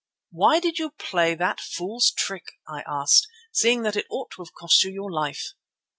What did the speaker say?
"Why did you play that fool's trick?" I asked, "seeing that it ought to have cost you your life?"